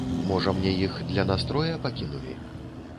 Можа, мне іх для настроя пакінулі?